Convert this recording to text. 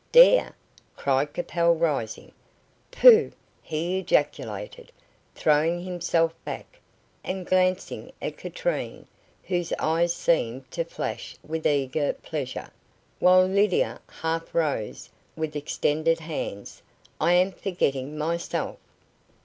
"Dare?" cried Capel, rising. "Pooh!" he ejaculated, throwing himself back, and glancing at Katrine, whose eyes seemed to flash with eager pleasure, while Lydia half rose, with extended hands; "I am forgetting myself."